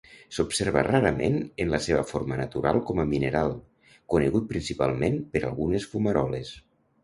S'observa rarament en la seva forma natural com a mineral, conegut principalment per algunes fumaroles.